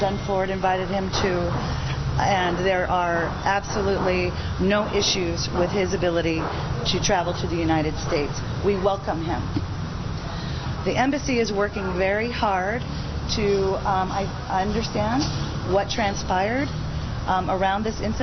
pemerintah sedang bekerja dengan keras untuk memahami apa yang terjadi di sepanjang acara ini